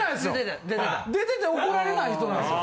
出てて怒られない人なんですよ。